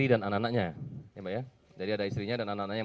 ada istri dan anak anaknya